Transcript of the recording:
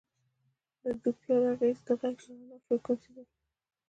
د ډوپلر اغېز د غږ یا رڼا فریکونسي بدلوي.